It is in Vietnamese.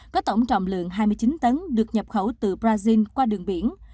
có tổng trọng lượng hai mươi chín tấn được nhập khẩu từ brazil qua đường biển